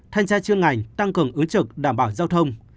thanh tra chuyên ngành tăng cường ứng trực đảm bảo giao thông